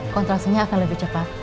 kontrasenya akan lebih cepat